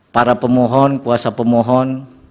para pemohon kuasa pemohon